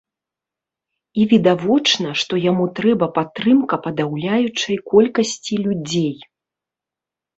І відавочна, што яму трэба падтрымка падаўляючай колькасці людзей.